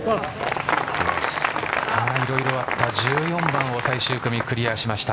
いろいろあった１４番を最終組クリアしました。